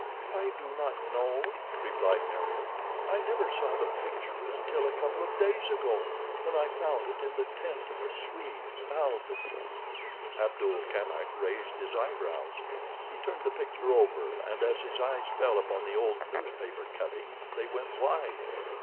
"I do not know," replied Meriem. "I never saw the picture until a couple of days ago, when I found it in the tent of the Swede, Malbihn." Abdul Kamak raised his eyebrows. He turned the picture over and as his eyes fell upon the old newspaper cutting they went wide.